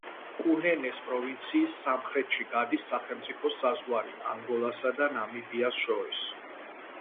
კუნენეს პროვინციის სამხრეთში გადის სახელმწიფო საზღვარი ანგოლასა და ნამიბიას შორის.